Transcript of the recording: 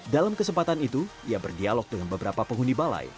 dalam kesempatan itu ia berdialog dengan beberapa penghuni balai